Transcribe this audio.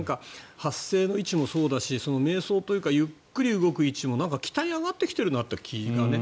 発生の位置もそうだし迷走というかゆっくりと動く位置も北に上がってきているなという気がね。